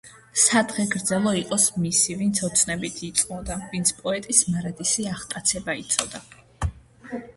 სადღეგრძელო იყოს მისი, ვინც ოცნებით იწვოდა, ვინც პოეტის მარადისი აღტაცება იცოდა.